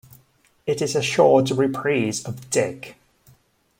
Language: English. It is a short reprise of "Dick".